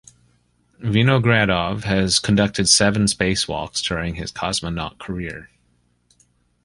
Vinogradov has conducted seven spacewalks during his cosmonaut career.